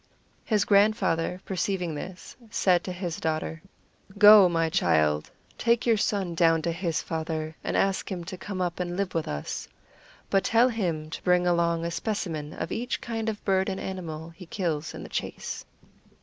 His grandfather, perceiving this, said to his daughter: "Go, my child, take your son down to his father, and ask him to come up and live with us. But tell him to bring along a specimen of each kind of bird and animal he kills in the chase."